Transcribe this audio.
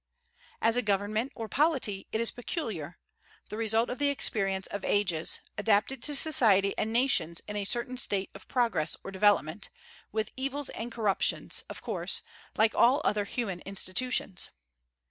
As a government, or polity, it is peculiar, the result of the experience of ages, adapted to society and nations in a certain state of progress or development, with evils and corruptions, of course, like all other human institutions.